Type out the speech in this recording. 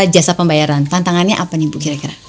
jasa pembayaran tantangannya apa nih bu kira kira